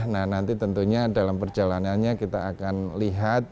nah nanti tentunya dalam perjalanannya kita akan lihat